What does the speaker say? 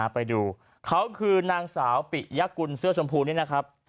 ไปดูเขาคือนางสาวปิยกุลเสื้อชมพูนี่นะครับ